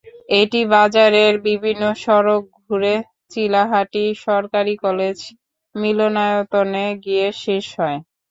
এটি বাজারের বিভিন্ন সড়ক ঘুরে চিলাহাটি সরকারি কলেজ মিলনায়তনে গিয়ে শেষ হয়।